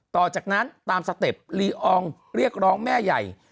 ต่อจากนั้นตามสเต็ปลีอองเรียกร้องแม่ใหญ่